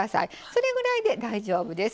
それぐらいで大丈夫です。